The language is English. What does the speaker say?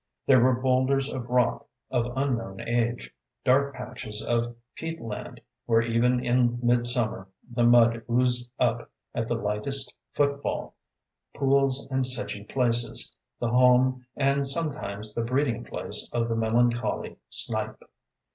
There were boulders of rock of unknown age, dark patches of peat land, where even in midsummer the mud oozed up at the lightest footfall, pools and sedgy places, the home and sometimes the breeding place of the melancholy snipe.